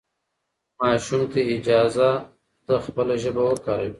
ماشوم ته اجازه ده خپله ژبه وکاروي.